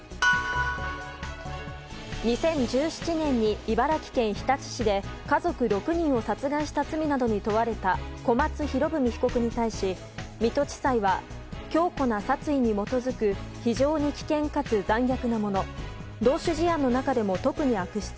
２０１７年に茨城県日立市で家族６人を殺害した罪などに問われた小松博文被告に対し水戸地裁は強固な殺意に基づく非常に危険かつ残虐なもの同種事案の中でも特に悪質。